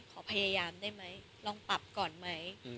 ขอพยายามได้ไหมลองปรับก่อนไหม